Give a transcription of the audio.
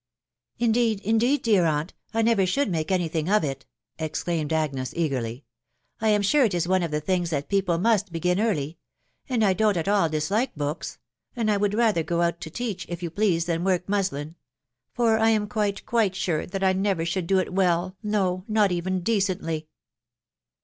" Indeed, indeed, dear aunt, I never should make any thing of it !".... exclaimed Agnes eagerly ; et I am sure it is one of the things that people must begin early, .... and I don't at all dislike books, .... and I would rather go out to teach, if you please, than work muslin, .... for I am quite, quite sure that I never should do it well, no, not even decently."